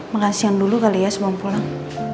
makan siang dulu kali ya sebelum pulang